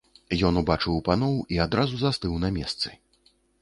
Ён убачыў паноў і адразу застыў на месцы.